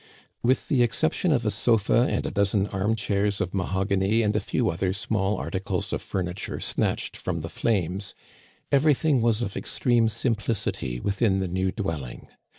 With the exception of a sofa and a dozen arm chairs of mahogany, and a few other small articles of furniture snatched from the flames, every thing was of extreme simplicity within the new dwelling.